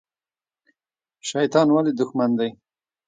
شیطان ولې دښمن دی؟